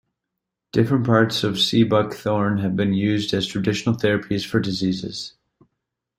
Different parts of sea buckthorn have been used as traditional therapies for diseases.